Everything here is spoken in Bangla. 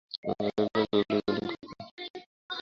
তিনি মূলতঃ লেগ ব্রেক গুগলি বোলিং করতেন।